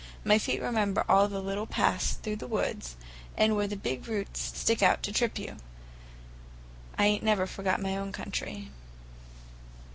My feet remember all the little paths through the woods, and where the big roots stick out to trip you. I ain't never forgot my own country."